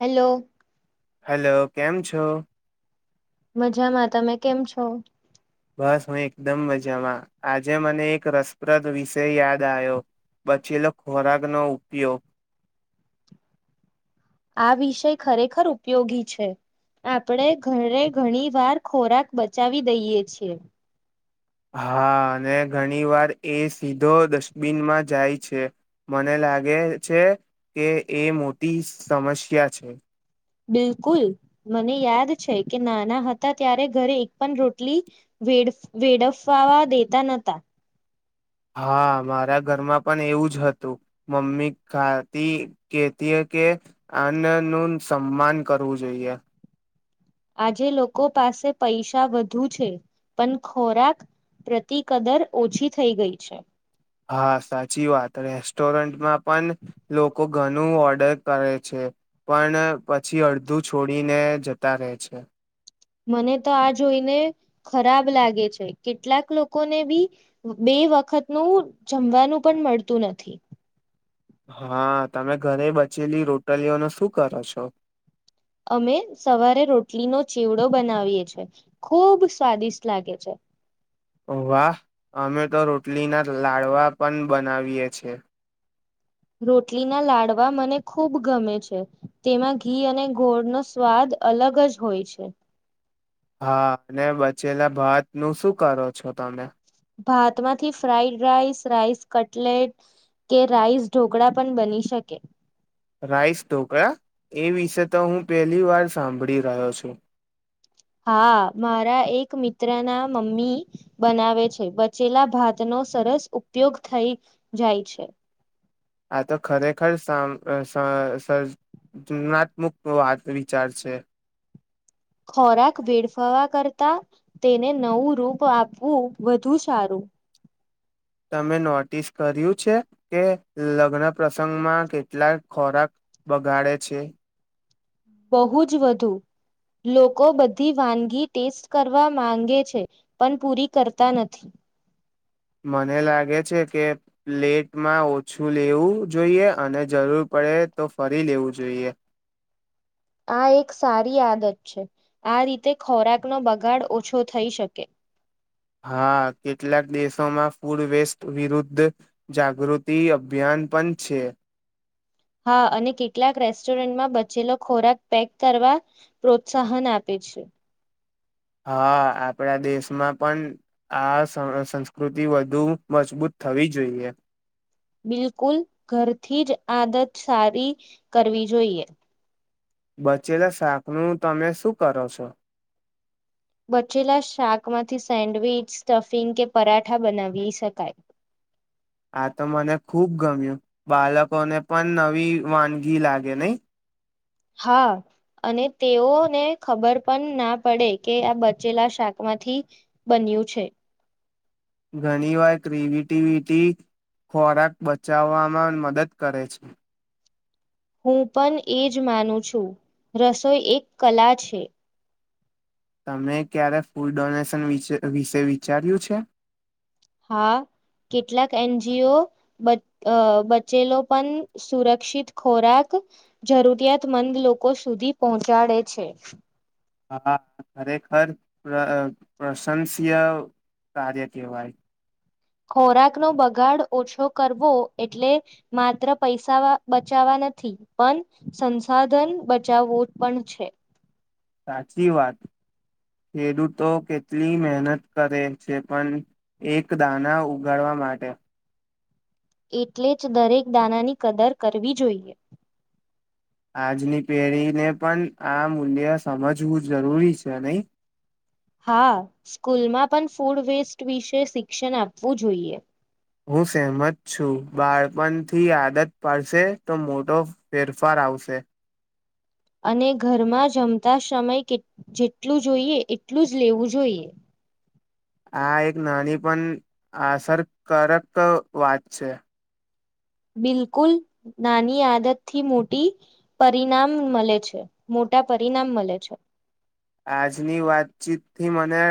Hello hello કેમ છો મજામાં તમે કેમ છો બસ હું એકદમ મજામાં આજે મને એક રસપ્રદ વિષય યાદ આયો બચેલો ખોરાકનો ઉપયોગ. આ વિષય ખરેખર ઉપયોગી છે આપણે ઘરે ઘણી વાર ખોરાક બચાવી દઈએ છીએ. હા અને ઘણી વાર એ સીધો ડસ્ટબિનમાં જાય છે મને લાગે છે કે એ મોટી સમસ્યા છે. બિલકુલ મને યાદ છે કે નાના હતા ત્યારે ઘરે એક પણ રોટલી વેડ વેડફવા દેતા નતા. હા મારા ઘરમાં પણ એવું જ હતું મમ્મી ખાતી કેતી કે અન્નનું સન્માન કરવું જોઈએ. આજે લોકો પાસે પૈસા વધુ છે પણ ખોરાક પ્રતિ કદર ઓછી થઈ ગઈ છે. હા સાચી વાત રેસ્ટોરન્ટમાં પણ લોકો ઘણું ઓર્ડર કરે છે પણ પછી અડધું છોડીને જતા રહે છે. મને તો આ જોઈને ખરાબ લાગે છે કેટલાક લોકોને બી બે વખતનું જમવાનું પણ મળતું નથી. હા તમે ઘરે બચેલી રોટલીઓનો શું કરો છો. અમે સવારે રોટલીનો ચીવડો બનાવીએ છે ખૂબ સ્વાદિષ્ટ લાગે છે. વાહ અમે તો રોટલીના લાડવા પણ બનાવીએ છેએ. રોટલીના લાડવા મને ખૂબ ગમે છે તેમાં ઘી અને ગોળનો સ્વાદ અલગ જ હોય છે. હા અને બચેલા ભાત નું શું કરો છો તમે. ભાતમાંથી ફ્રઇડ રાઈસ રાઈસ કટલેટ કે રાઈસ ઢોકળા પણ બની શકે. રાઈસ ઢોકળા એ વિશે તો હું પહેલી વાર સાંભળી રહ્યો છું. હા મારા એક મિત્ર ના મમ્મી બનાવે છે બચેલા ભાતનો સરસ ઉપયોગ થઈ જાય છે. આ તો ખરેખર સ સ સજ સજનાત્મક વાત વિચાર છે. ખોરાક વેડફાવા કરતા તેને નવું રૂપ આપવું વધુ સારું. તમે નોટિસ કર્યું છે કે લગ્ન પ્રસંગમાં કેટલા ખોરાક બગાડે છે. બહુ જ વધુ લોકો બધી વાનગી ટેસ્ટ કરવા માંગે છે પણ પૂરી કરતા નથી. મને લાગે છે કે પ્લેટમાં ઓછું લેવું જોઈએ અને જરૂર પડે તો ફરી લેવું જોઈએ. આ એક સારી આદત છે આ રીતે ખોરાકનો બગાડ ઓછો થઈ શકે. હા કેટલાક દેશોમાં ફૂડ વેસ્ટ વિરુદ્ધ જાગૃતિ અભિયાન પણ છે. હા અને કેટલાક રેસ્ટોરન્ટમાં બચેલો ખોરાક પેક કરવા પ્રોત્સાહન આપે છે. હા આપણા દેશમાં પણ આ સસંસ્કૃતિ વધુ મજબૂત થવી જોઈએ. બિલકુલ ઘરથી જ આદત સારી કરવી જોઈએ. બચેલા શાકનું તમે શું કરો છો. બચેલા શાકમાંથી સેન્ડવીિચ સ્ટફિંગ કે પરાઠા બનાવી શકાય. આ તો મને ખૂબ ગમ્યું બાળકોને પણ નવી વાનગી લાગે નહી. હા અને તેઓને ખબર પણ ના પડે કે આ બચેલા શાકમાંથી બન્યું છે. ઘણીવાર ક્રિએટિવિટી ખોરાક બચાવવામાં મદદ કરે છે. હું પણ એ જ માનું છું રસોઈ એક કલા છે. તમે ક્યારે ફૂડ ડોનેશન વિશે વિશે વિચાર્યું છે. હા કેટલાક એનજીઓ બચે અ બચેલો પણ સુરક્ષિત ખોરાક જરૂરિયાતમંદ લોકો સુધી પહોંચાડે છે. હા ખરેખર પશ પ્રશંસીય કાર્ય કેવાય. ખોરાકનો બગાડ ઓછો કરવો એટલે માત્ર પૈસા બચાવવા નથી પણ સંસાધન બચાવવું પણ છે. સાચી વાત ખેડૂતો કેટલી મહેનત કરે છે પણ એક દાના ઉગાડવા માટે. એટલે જ દરેક દાનાની કદર કરવી જોઈએ. આજની પેઢીને પણ આ મૂલ્ય સમજવું જરૂરી છે નહી. હા સ્કૂલમાં પણ ફૂડ વેસ્ટ વિશે શિક્ષણ આપવું જોઈએ. હું સહમત છું બાળપણથી આદત પાડશે તો મોટો ફેરફાર આવશે. અને ઘરમાં જમતા સમય કેટ જેટલું જોઈએ એટલું જ લેવું જોઈએ. આ એક નાની પણ અસરકારક વાત છે. બિલકુલ નાની આદતથી મોટી પરિણામ મળે છે મોટા પરિણામ મળે છે. આજની વાતચીતથી મને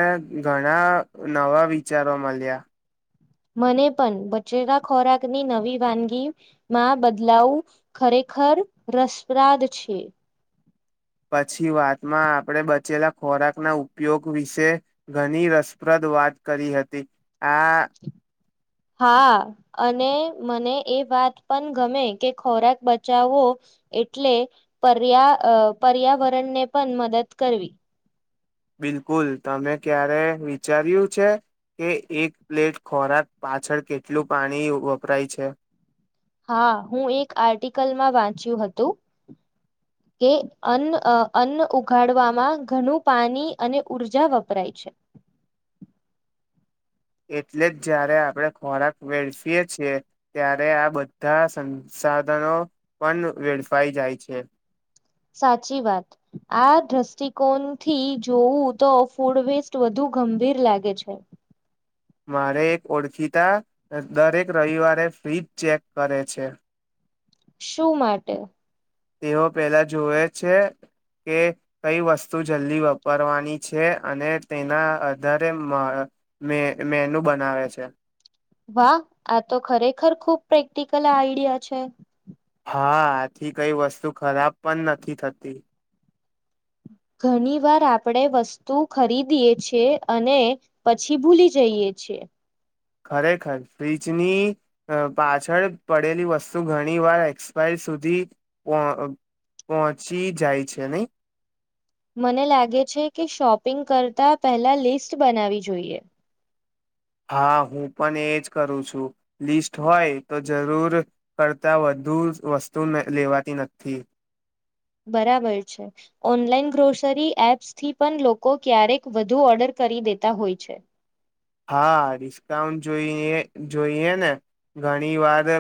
ઘણા નવા વિચારો મળ્યા. મને પણ બચેલા ખોરાકની નવી વાનગી માં બદલાવ ખરેખર રસપ્રાદ છે. પછી વાતમાં આપણે બચેલા ખોરાકના ઉપયોગ વિશે ઘણી રસપ્રદ વાત કરી હતી. આ [unintelligible] હા અને મને એ વાત પણ ગમે કે ખોરાક બચાવવો એટલે પર્યા અ પર્યાવરણને પણ મદદ કરવી. બિલકુલ તમે ક્યારે વિચાર્યું છે કે એક પ્લેટ ખોરાક પાછળ કેટલું પાણી વપરાય છે. હા હું એક આર્ટિકલમાં વાંચ્યું હતું કે અન્ન અન્ન ઉઘાડવામાં ઘણું પાણી અને ઉઊર્જા વપરાય છે એટલે જ જ્યારે આપણે ખોરાક વેડફીએ છેીએ ત્યારે આ બધા સંસાધનો પણ વેડફાઈ જાય છે સાચી વાત આ દ્રષ્ટિકોણથી જોવું તો ફૂડ વેસ્ટ વધુ ગંભીર લાગે છે મારે એક ઓળખીતા દરેક રવિવારે ફ્રિજ ચેક કરે છે શું માટે તેઓ પહેલા જોવે છે કે કઈ વસ્તુ જલ્દી વાપરવાની છે અને તેના આધારે મે મેનુ બનાવે છે વાહ આ તો ખરેખર ખુબ પ્રેક્ટિકલ આઈડિયા છે હા આથી કઈ વસ્તુ ખરાબ પણ નથી થતી ઘણી વાર આપણે વસ્તુ ખરીદીએ છેએ અને પછી ભૂલી જઈએ છેએ ખરેખર ફ્ર્રીજની પાછળ પડેલી વસ્તુ ઘણી વાર એક્સપાયર સુધી પહોંચી જાય છે નહી મને લાગે છે કે શોપિંગ કરતાં પહેલા લિસ્ટ બનાવી જોઈએ હા હું પણ એ જ કરું છું લિસ્ટ હોય તો જરૂર કરતા વધુ વસ્તુ લેવાતી નથી બરાબર છે ઓનલાઈન ગ્રોસરી એપ્સથી પણ લોકો ક્યારેક વધુ ઓર્ડર કરી દેતા હોય છે હા ડિસ્કાઉન્ટ જોઈએ જોઈએ ને ઘણી વાર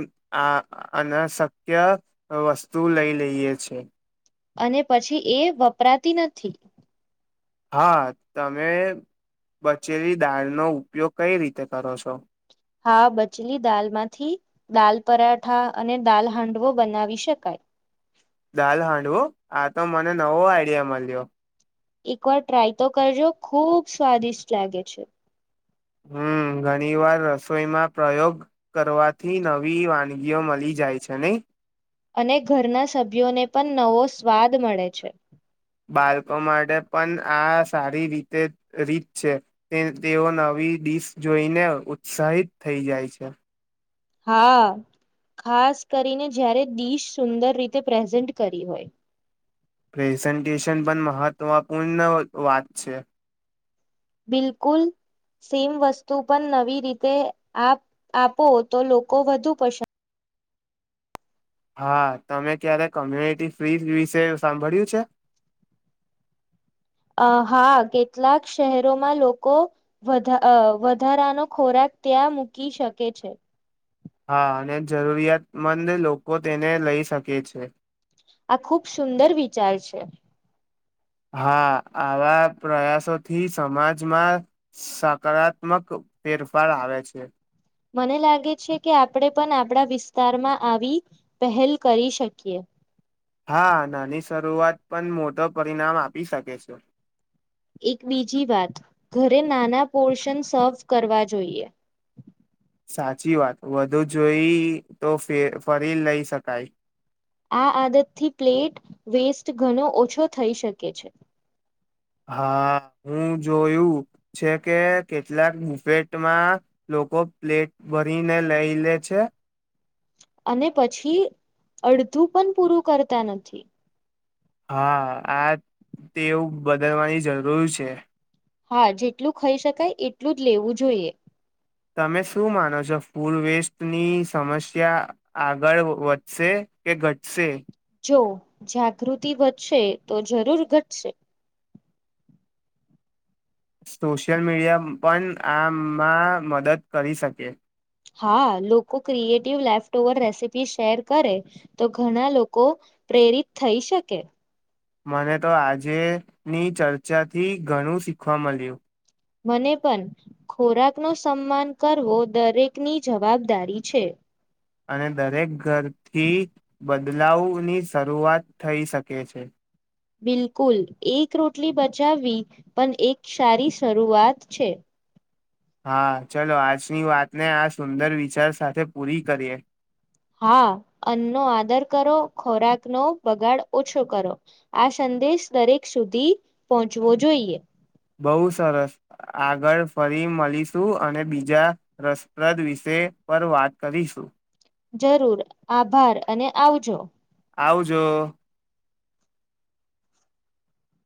આ અનાશક્ય વસ્તુ લઈ લઈએ છે અને પછી એ વપરાતી નથી હા તમે બચેલી દાળનોો ઉપયોગ કઈ રીતે કરો છો હા બચલી દાલ માંથી દાલ પરાઠા અને દાલ હાંડવો બનાવી શકાય દાલ હાંડવું આ તો મને નવો આઈડિયા મળ્યો એક વાર ટ્રાય તો કરજો ખુબ સ્વાદિષ્ટ લાગે છે હમ ઘણી વાર રસોઈમાં પ્રયોગ કરવાથી નવી વાનગીઓ મળી જાય છે નહી અને ઘરના સભ્યોને પણ નવો સ્વાદ મળે છે બાળકો માટે પણ આ સારી રીતે રીત છે તેઓ નવી ડીશ જોઈને ઉત્સાહિત થઈ જાય છે હા ખાસ કરીને જયારે દિશ સુંદર રીતે પ્રેઝન્ટ કરી હોય પ્રેઝન્ટેશન પણ મહત્વપૂર્ણ વાત છે બિલકુલ સેમ વસ્તુ પણ નવી રીતે આપ આપો તો લોકો વધુ પસંદ હા તમે ક્યારે કોમ્યુનિટી ફ્રી વિશે સાંભળ્યું છે અ હા કેટલાક શહેરોમાં લોકો વધારાનો ખોરાક ત્યાં મૂકી શકે છે હા અને જરૂરિયાતમંદ લોકો તેને લઈ શકે છે આ ખુબ સુંદર વિચાર છે હા આવા પ્રયાસોથી સમાજમાં સકારાત્મક ફેરફાર આવે છે મને લાગે છે કે આપણે પણ આપણા વિસ્તારમાં આવી પહેલ કરી શકીએ હા નાની શરૂઆત પણ મોટો પરિણામ આપી શકે છે એક બીજી વાત ઘરે નાના પોર્શન સર્વ કરવા જોઈએ સાચી વાત વધુ જોઈ તો ફરી લઈ શકાય આ આદતથી પ્લેટ વેસ્ટ ઘણો ઓછો થઈ શકે છે હા હું જોયું છે કે કેટલાક મુફેટમાં લોકો પ્લેટ ભરીને લઈ લે છે અને પછી અડધું પણ પૂરું કરતા નથી હા આ તેવું બદલવાની જરૂર છે હા જેટલું ખાઈ શકાય એટલું જ લેવું જોઈએ તમે શું માનો છો ફૂડ વેસ્ટની સમસ્યા આગળ વધશે કે ઘટશે જો જાગૃતિ વધશે તો જરૂર ઘટશે સોશિયલ મીડિયા પણ આમાં મદદ કરી શકે હા લોકો creative leftover recipe share કરે તો ઘણા લોકો પ્રેરિત થઈ શકે મને તો આજેની ચર્ચાથી ઘણું શીખવા મળ્યું મને પણ ખોરાકનો સન્માન કરવો દરેકની જવાબદારી છે અને દરેક ઘરથી બદલાવની શરૂઆત થઈ શકે છે બિલકુલ એક રોટલી બચાવવી પણ એક સારી શરૂઆત છે હા ચલો આજની વાતને આ સુંદર વિચાર સાથે પૂરી કરીએ હા અન્નનો આદર કરો ખોરાકનોો બગાડ ઓછો કરો આ સંદેશ દરેક સુધી પહોંચવો જોઈએ બહુ સરસ આગળ ફરી મળીશું અને બીજા રસપ્રદ વિશે પર વાત કરીશું. જરૂર આભાર અને આવજો. આવજો.